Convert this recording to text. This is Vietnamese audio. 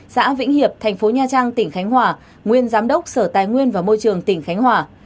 xã vĩnh hiệp thành phố nha trang tỉnh khánh hòa nguyên giám đốc sở tài nguyên và môi trường tỉnh khánh hòa